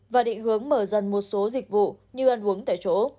và định hướng mở dần một số dịch vụ như ăn uống tại chỗ